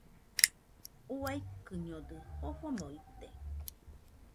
Uaikɨñodɨ jofomo ite.